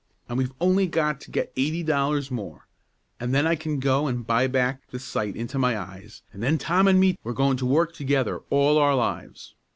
"An' we've only got to get eighty dollars more, an' then I can go an' buy back the sight into my eyes; an' then Tom an' me we're goin' to work together all our lives.